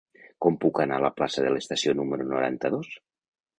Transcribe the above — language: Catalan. Com puc anar a la plaça de l'Estació número noranta-dos?